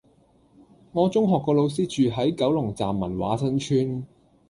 我中學個老師住喺九龍站文華新村